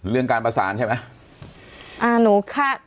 เรื่องการประสานใช่ไหม